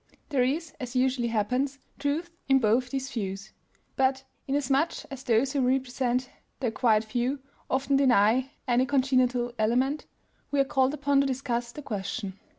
There is, as usually happens, truth in both these views. But, inasmuch as those who represent the acquired view often deny any congenital element, we are called upon to discuss the question.